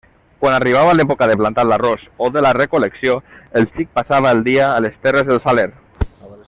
Quan arribava l'època de plantar l'arròs o de la recol·lecció, el xic passava el dia a les terres del Saler.